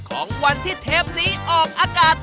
ของวันที่เทปนี้ออกอากาศ